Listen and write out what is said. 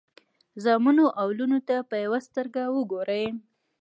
زامنو او لوڼو ته په یوه سترګه وګورئ.